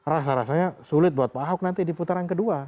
rasa rasanya sulit buat pak ahok nanti di putaran kedua